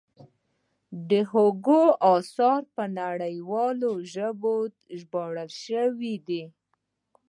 د هوګو اثار په نړیوالو ژبو ژباړل شوي دي.